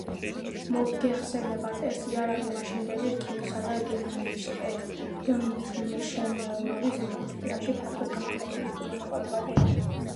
მოგეხსენებათ, ეს იარაღი მაშინდელი რკინისა და გემთმშენებლობის ინდუსტრიაში ფართოდ გამოყენებადი იყო.